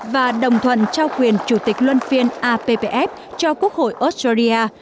và đồng thuận trao quyền chủ tịch luân phiên appf cho quốc hội australia